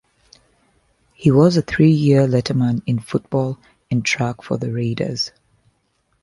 He was a three-year letterman in Football and Track for the Raiders.